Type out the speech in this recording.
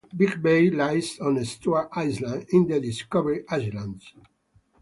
Big Bay lies on Stuart Island in the Discovery Islands.